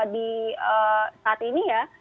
di saat ini ya